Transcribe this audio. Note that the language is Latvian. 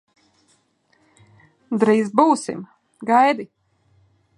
Drīz būsim, gaidi!